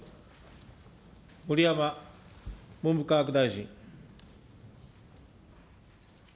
盛山文部科学大臣。